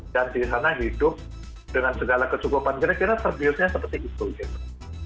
dan di sana hidup dengan segala kecukupan kira kira terbiusnya seperti itu gitu